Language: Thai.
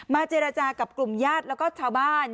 เจรจากับกลุ่มญาติแล้วก็ชาวบ้าน